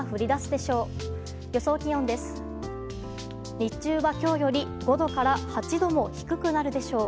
日中は今日より５度から８度も低くなるでしょう。